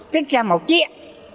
tích ra một chiếc